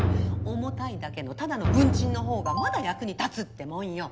重たいだけのただの文鎮の方がまだ役に立つってもんよ。